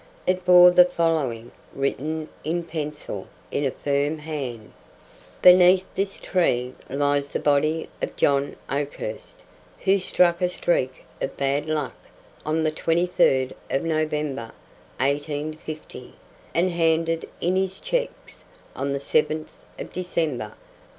It bore the following, written in pencil, in a firm hand: BENEATH THIS TREE LIES THE BODY OF JOHN OAKHURST, WHO STRUCK A STREAK OF BAD LUCK ON THE 23D OF NOVEMBER, 1850, AND HANDED IN HIS CHECKS ON THE 7TH DECEMBER, 1850.